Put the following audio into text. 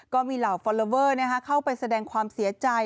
ก็มีเหล่าฟอลลอเวอร์เข้าไปแสดงความเสียใจ